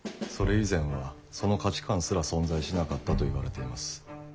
それ以前はその価値観すら存在しなかったといわれています。